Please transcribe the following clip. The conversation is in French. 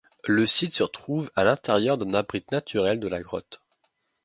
Le site se trouve à l'intérieur d'un abri naturel de la grotte.